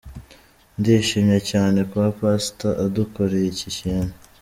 Ndishimye cyane kuba Pastor adukoreye iki kintu.